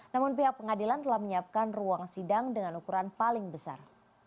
namun pihak pengadilan telah menyiapkan ruang sidang dengan ukuran paling besar